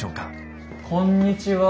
こんにちは。